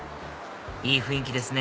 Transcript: いい雰囲気ですね